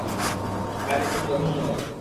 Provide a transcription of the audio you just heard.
কাজ একদম জঘন্য হবে।